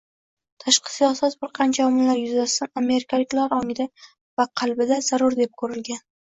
tashqi siyosat bir qancha omillar yuzasidan amerikaliklar ongida va qalbida zarur deb ko‘rilgan.